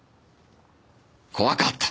怖かった。